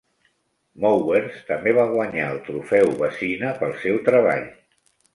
Mowers també va guanyar el Trofeu Vezina pel seu treball.